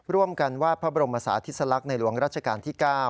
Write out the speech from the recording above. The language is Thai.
ร่วมกันวาดพระบรมศาธิสลักษณ์ในหลวงรัชกาลที่๙